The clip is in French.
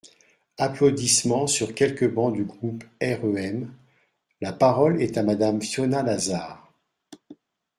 (Applaudissements sur quelques bancs du groupe REM.) La parole est à Madame Fiona Lazaar.